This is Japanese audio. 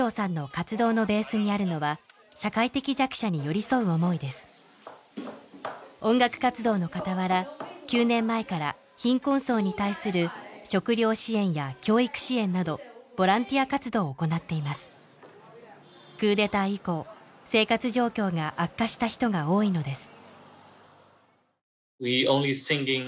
活動の傍ら９年前から貧困層に対する食糧支援や教育支援などボランティア活動を行っていますクーデター以降生活状況が悪化した人が多いのです